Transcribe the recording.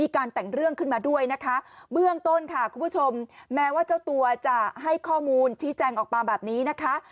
คุณผู้ชมแม้ว่าเจ้าตัวจะให้ข้อมูลที่แจ้งออกมาแบบนี้นะคะ